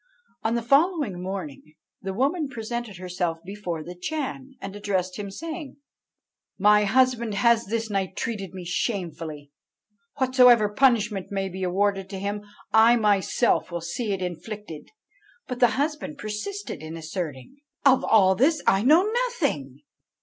"On the following morning the woman presented herself before the Chan, and addressed him, saying, 'My husband has this night treated me shamefully. Whatsoever punishment may be awarded to him, I myself will see it inflicted.' "But the husband persisted in asserting, 'Of all this I know nothing!'